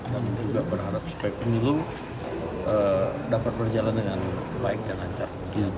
dan juga berharap spek penilu dapat berjalan dengan baik dan lancar